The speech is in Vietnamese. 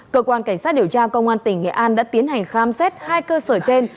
cơ quan cảnh sát điều tra công an tỉnh nghệ an đã tiến hành khám xét hai cơ sở trên